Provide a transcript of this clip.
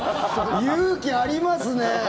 勇気ありますね。